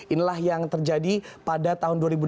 inilah yang terjadi pada tahun dua ribu delapan belas